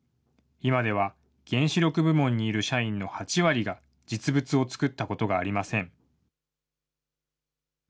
今では原子力部門にいる社員の８割が、実物を作ったことがありません。